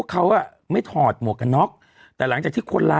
ยังไงยังไงยังไงยังไง